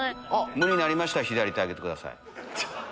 無になりましたら左手挙げてください。